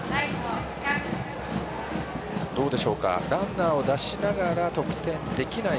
ランナーを出しながら得点できない